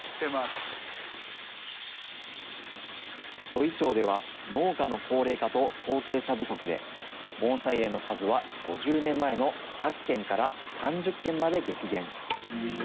土居町では、農家の高齢化と後継者不足で、盆栽園の数は５０年前の１００軒から３０軒まで激減。